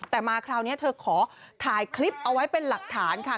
แต่มาคราวนี้เธอขอถ่ายคลิปเอาไว้เป็นหลักฐานค่ะ